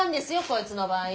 こいつの場合。